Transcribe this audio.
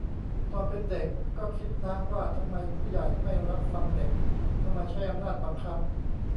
ตอนเป็นเด็กก็คิดนะ ว่าทำไมผู้ใหญ่ไม่รับฟังเด็ก ทำไมใช้อำนาจบังคับ